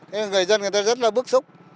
thế người dân người ta rất là bức xúc